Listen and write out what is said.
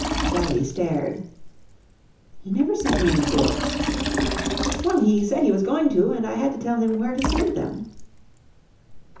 Sally stared. "He never sent me any books." "Well, he said he was going to, and I had to tell him where to send them."